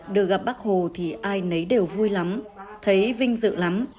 được gặp bác hồ thì ai nấy đều vui lắm thấy vinh dự lắm